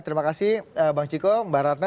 terima kasih bang ciko mbak ratna